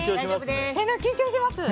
緊張しますね。